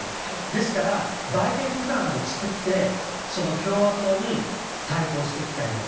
ですからバイデンプランを作って共和党に対抗していきたいと。